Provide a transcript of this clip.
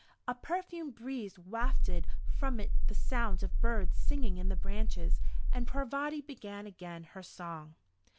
A perfumed breeze wafted from it the sound of birds singing in the branches, and Parvati began again her song.